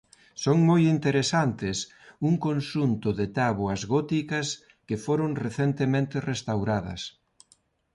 Son moi interesantes un conxunto de táboas góticas que foron recentemente restauradas.